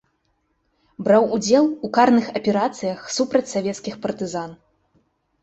Браў удзел у карных аперацыях супраць савецкіх партызан.